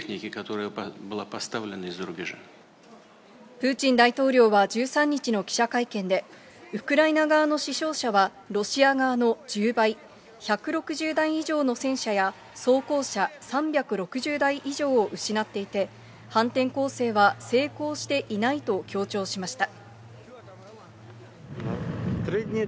プーチン大統領は１３日の記者会見で、ウクライナ側の死傷者はロシア側の１０倍、１６０台以上の戦車や装甲車３６０台以上を失っていて、反転攻勢は成功していないと強調しました。